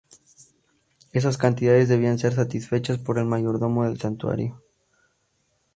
Estas cantidades debían ser satisfechas por el mayordomo del santuario.